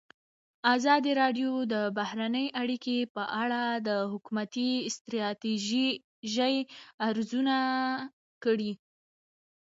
ازادي راډیو د بهرنۍ اړیکې په اړه د حکومتي ستراتیژۍ ارزونه کړې.